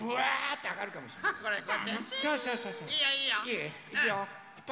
いいよ。